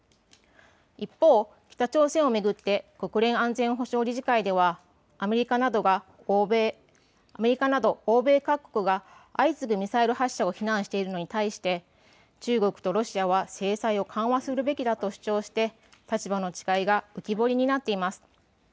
一方、北朝鮮を巡って国連安全保障理事会ではアメリカなど欧米各国が相次ぐミサイル発射を非難しているのに対して中国とロシアは制裁を緩和するべきだと主張して立場の違いが浮き彫りになっています。